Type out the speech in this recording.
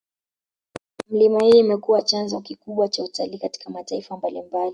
Milima hii imekuwa chanzo kikubwa cha utalii katika mataifa mabalimbali